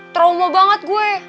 trauma banget gue